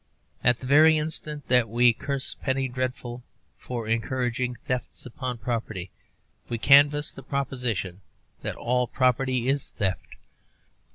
At the very instant that we curse the Penny Dreadful for encouraging thefts upon property, we canvass the proposition that all property is theft.